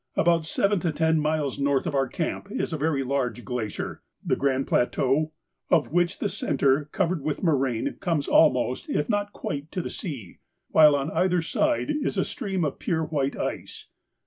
About seven to ten miles north of our camp is a very large glacier (the Grand Plateau?), of which the centre, covered with moraine, comes almost, if not quite, to the sea, while on either side is a stream of pure white ice.